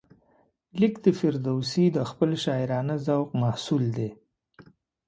لیک د فردوسي د خپل شاعرانه ذوق محصول دی.